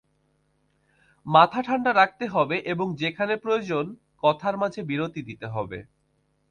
মাথা ঠান্ডা রাখতে হবে এবং যেখানে প্রয়োজন, কথার মাঝে বিরতি দিতে হবে।